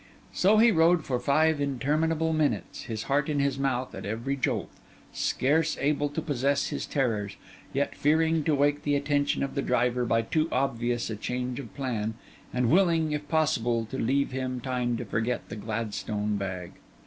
So he rode for five interminable minutes, his heart in his mouth at every jolt, scarce able to possess his terrors, yet fearing to wake the attention of the driver by too obvious a change of plan, and willing, if possible, to leave him time to forget the Gladstone bag.